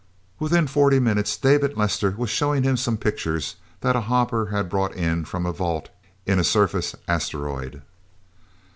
Within forty minutes David Lester was showing him some pictures that a hopper had brought in from a vault in a surface asteroid.